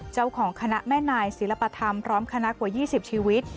เจ้าของคณะแม่นายศิลปธรรมพร้อมคณะกว่า๒๐ชีวิต